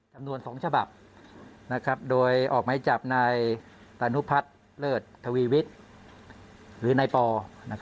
จำนวน๒ฉบับโดยออกไม้จับนายตานุพัฒน์เลิศทวีวิทย์หรือนายปอ